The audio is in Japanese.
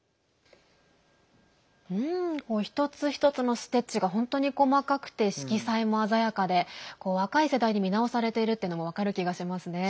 一つ一つのステッチが本当に細かくて、色彩も鮮やかで若い世代に見直されているというのも分かる気がしますね。